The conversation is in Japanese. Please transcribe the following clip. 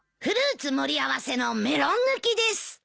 フルーツ盛り合わせのメロン抜きです。